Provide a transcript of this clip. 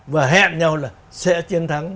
và hẹn nhau là sẽ chiến thắng